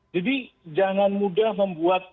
jadi jangan mudah membuat